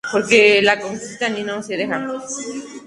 Este libro se sigue editando hasta la actualidad.